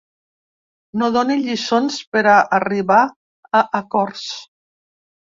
No doni lliçons per a arribar a acords